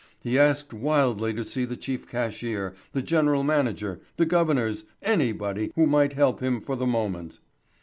He asked wildly to see the chief cashier, the general manager, the governors, anybody who might help him for the moment.